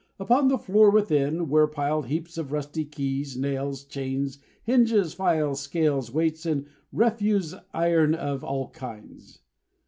Upon the floor within, were piled up heaps of rusty keys, nails, chains, hinges, files, scales, weights, and refuse iron of all kinds.